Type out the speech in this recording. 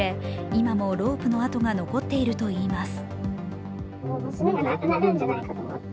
今ものロープの痕が残っているといいます。